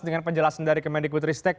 dengan penjelasan dari kementerian kultury stake